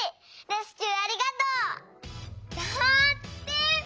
レスキューありがとう！」。